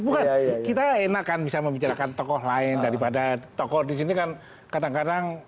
bukan kita enak kan bisa membicarakan tokoh lain daripada tokoh di sini kan kadang kadang